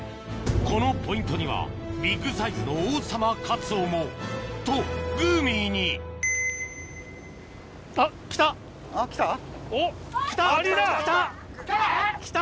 このポイントにはビッグサイズの王様カツオもとグーミーに来たよ！来た！